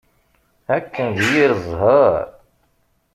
Akken d yir zzheṛ!